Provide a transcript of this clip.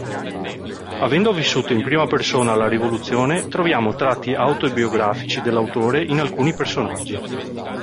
Avendo vissuto in prima persona la rivoluzione, troviamo tratti autobiografici dell'autore in alcuni personaggi.